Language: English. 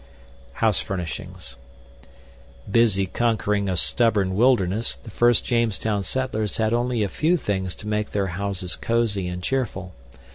House Furnishings Busy conquering a stubborn wilderness, the first Jamestown settlers had only a few things to make their houses cosy and cheerful.